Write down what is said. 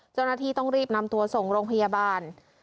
เจ้าหน้าที่ต้องรีบนำตัวส่งโรงพยาบาล